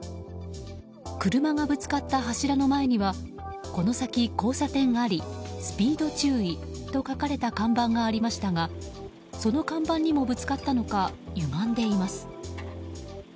車がぶつかった柱の前には「この先交差点あり、スピード注意」と書かれた看板がありましたがその看板にもぶつかったのかゆがんでいます。